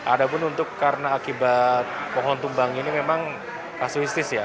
ada pun untuk karena akibat pohon tumbang ini memang kasuistis ya